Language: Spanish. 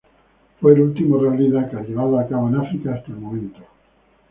Fue el último rally Dakar llevado a cabo en África hasta el momento.